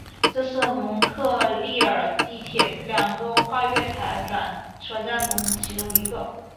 这是蒙特利尔地铁两个跨月台转车站中其中一个。